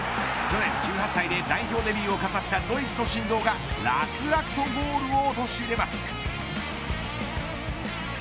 去年１８歳で代表デビューを飾ったドイツの神童が楽々とゴールを陥れます。